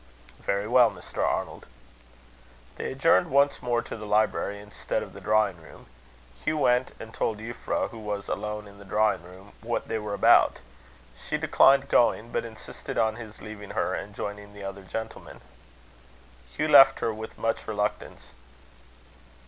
"Very well, Mr. Arnold." They adjourned once more to the library instead of the drawing room. Hugh went and told Euphra, who was alone in the drawing room, what they were about. She declined going, but insisted on his leaving her, and joining the other gentlemen. Hugh left her with much reluctance.